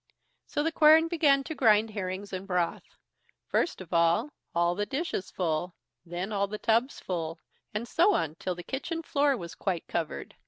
So the quern began to grind herrings and broth; first of all, all the dishes full, then all the tubs full, and so on till the kitchen floor was quite covered.